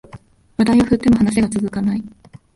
話題を振っても話が続かない